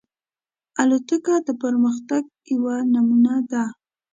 الوتکه د پرمختګ یوه نمونه ده.